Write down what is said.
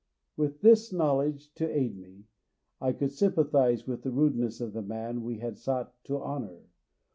With this knowledge to aid me, I could sympathize with the rudeness of the man we had sought to honour.